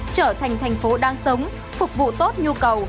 trở thành thành phố đang sống phục vụ tốt nhu cầu